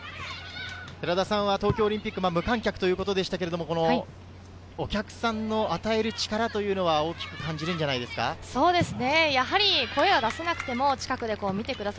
寺田さんは東京オリンピックは無観客でしたが、お客さんの与える力は大きく感じるんじゃないですか？